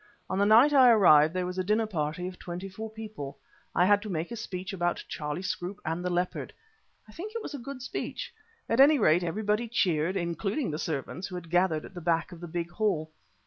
On the night I arrived there was a dinner party of twenty four people. I had to make a speech about Charlie Scroope and the leopard. I think it was a good speech. At any rate everybody cheered, including the servants, who had gathered at the back of the big hall.